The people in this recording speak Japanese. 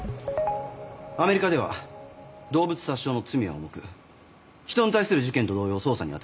アメリカでは動物殺傷の罪は重く人に対する事件と同様捜査に当たります。